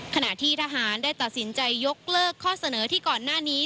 ขณะที่ทหารได้ตัดสินใจยกเลิกข้อเสนอที่ก่อนหน้านี้